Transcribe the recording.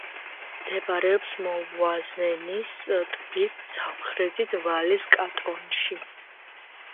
მდებარეობს მოვუაზენის ტბის სამხრეთით, ვალეს კანტონში.